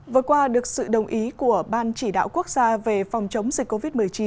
vừa qua được sự đồng ý của ban chỉ đạo quốc gia về phòng chống dịch covid một mươi chín